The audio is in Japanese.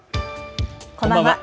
こんばんは。